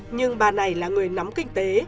nhưng bà này là người nắm kinh tế